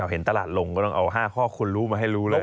เห็นตลาดลงก็ต้องเอา๕ข้อคุณรู้มาให้รู้เลย